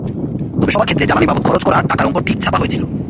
তবে সবার ক্ষেত্রে জ্বালানি বাবদ খরচ করা টাকার অংক ঠিক ছাপা হয়েছিল।